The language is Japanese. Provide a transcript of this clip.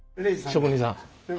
職人さん。